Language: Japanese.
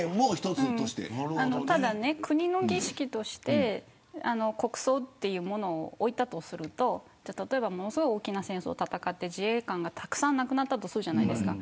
ただ、国の儀式として国葬というものをおいたとすると例えばものすごく大きな戦争を戦って自衛官が、たくさん亡くなったとするじゃないですか。